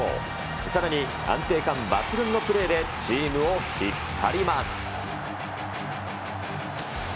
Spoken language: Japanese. さらに安定感抜群のプレーで、チームを引っ張ります。